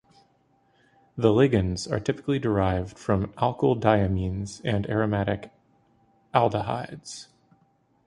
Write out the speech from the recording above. The ligands are typically derived from alkyl diamines and aromatic aldehydes.